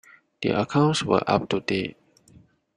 The accounts were up to date.